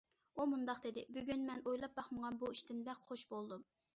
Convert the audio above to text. ئۇ مۇنداق دېدى:- بۈگۈن مەن ئويلاپ باقمىغان بۇ ئىشتىن بەك خۇش بولدۇم.